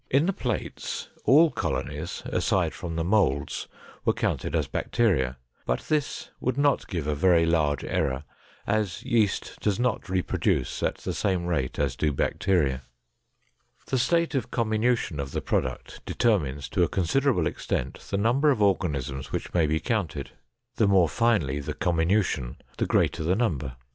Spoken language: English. In the plates all colonies, aside from the molds, were counted as bacteria, but this would not give a very large error, as yeast does not reproduce at the same rate as do bacteria. The state of comminution of the product determines to a considerable extent the number of organisms which may be counted. The more finely the comminution, the greater the number.